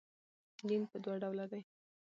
دین پر دوه ډوله دئ.